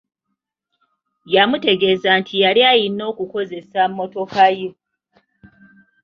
Yamutegeeza nti yali alina okukozesa mmotoka ye.